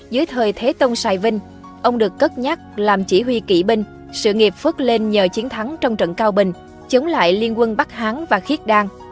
dưới thời thế tông sài vinh ông được cất nhắc làm chỉ huy kỵ binh sự nghiệp phớt lên nhờ chiến thắng trong trận cao bình chống lại liên quân bắc hán và khiết đan